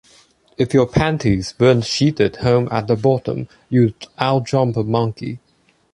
If your panties weren't sheeted home at the bottom, you'd outjump a monkey.